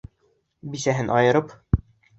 Бисәһен айырып.